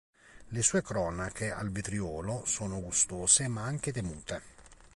Le sue cronache al vetriolo sono gustose ma anche temute.